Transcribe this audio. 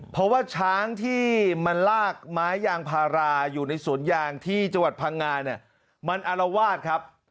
เพราะว่าช้างที่มันลากไม้ยางพาราอยู่ในสวนยางที่จังหวัดพังงาเนี่ยมันอารวาสครับ